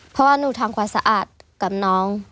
เพราะว่าหนูทำความสะอาดกับน้อง